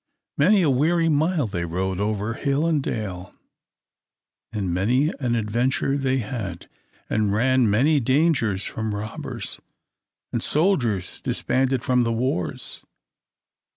Many a weary mile they rode over hill and dale, and many an adventure they had, and ran many dangers from robbers, and soldiers disbanded from the wars.